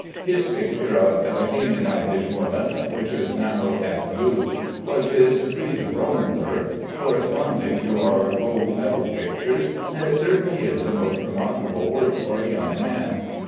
His picture of the "Canaanitish Woman," which is now at the Louvre, was his "prix de Rome" work, corresponding to our gold medal pictures, and it certainly is a most remarkable work for a young man.